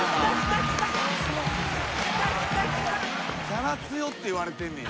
キャラ強って言われてんねや。